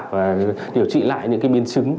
và điều trị lại những cái biến chứng